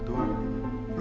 lo harus bertahan ratu